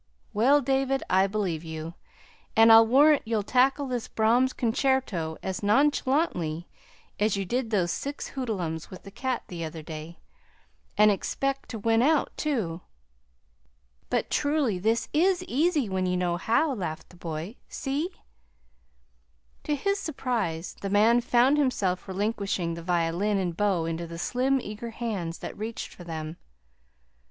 "Well, David, I believe you. And I'll warrant you'd tackle this Brahms concerto as nonchalantly as you did those six hoodlums with the cat the other day and expect to win out, too!" "But, truly, this is easy, when you know how," laughed the boy. "See!" To his surprise, the man found himself relinquishing the violin and bow into the slim, eager hands that reached for them.